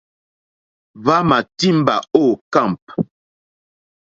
Hwámà tìmbá ô kâmp.